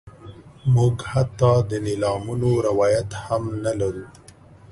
موږ حتی د نیلامونو روایت هم نه لرو.